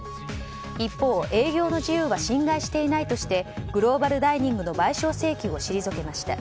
一方、営業の自由は侵害していないとしてグローバルダイニングの賠償請求を退けました。